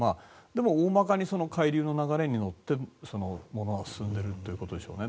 でも、大まかに海流の流れに乗ってものは進んでいるということでしょうね。